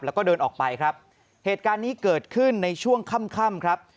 แล้วก็เดินออกไปครับเหตุการณ์นี้เกิดขึ้นในช่วงค่ำค่ำครับ